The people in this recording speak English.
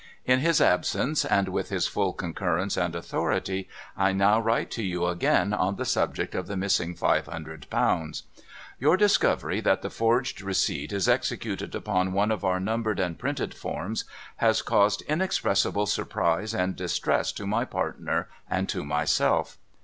In his absence (and with his full concurrence and authority), I now write to you again on the subject of the missing five hundred pounds. ' Your discovery that the forged receipt is executed upon one of our numbered and printed forms has caused inexpressible surprise and distress to my partner and to myself.